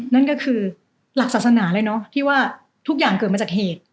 นั่นก็คือหลักศาสนาเลยเนาะที่ว่าทุกอย่างเกิดมาจากเหตุ